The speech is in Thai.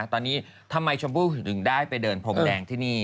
ตอนนี้ทำไมชมพู่ถึงได้ไปเดินพรมแดงที่นี่